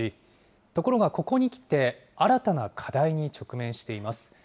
ところがここにきて、新たな課題に直面しています。